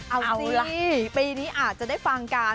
เอาจริงปีนี้อาจจะได้ฟังกัน